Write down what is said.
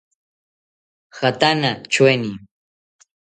Jatana tyoeni